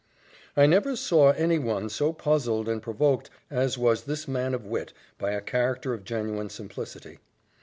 I never saw any one so puzzled and provoked as was this man of wit by a character of genuine simplicity.